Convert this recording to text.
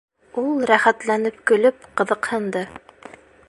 Ул, рәхәтләнеп көлөп, ҡыҙыҡһынды.